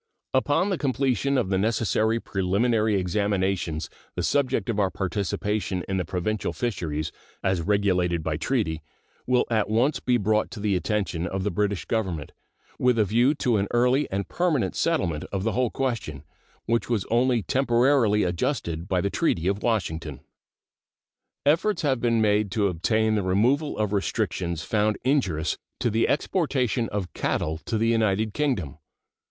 Upon the completion of the necessary preliminary examinations the subject of our participation in the provincial fisheries, as regulated by treaty, will at once be brought to the attention of the British Government, with a view to an early and permanent settlement of the whole question, which was only temporarily adjusted by the treaty of Washington. Efforts have been made to obtain the removal of restrictions found injurious to the exportation of cattle to the United Kingdom.